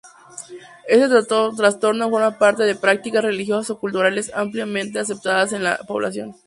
Este trastorno forma parte de prácticas religiosas o culturales ampliamente aceptadas en la población.